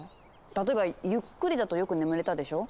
例えばゆっくりだとよく眠れたでしょ。